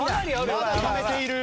まだためている。